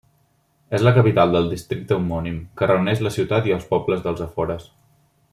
És la capital del districte homònim, que reuneix la ciutat i els pobles dels afores.